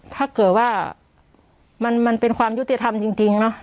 ถ้าเกิดว่ามันเป็นความยุติธรรมจริงเนอะ